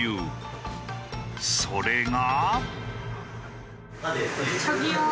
それが。